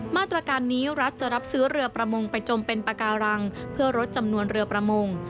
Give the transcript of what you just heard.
มาตรการนี้รัฐจะรับซื้อเรือประมงไปจมเป็นปากการังเพื่อลดจำนวนเรือประมง